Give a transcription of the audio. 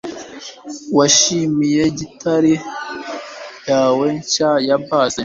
Wishimiye gitari yawe nshya ya bass